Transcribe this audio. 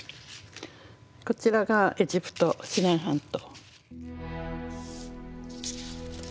こちらがエジプトシナイ半島。